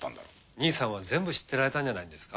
兄さんは全部知ってられたんじゃないんですか？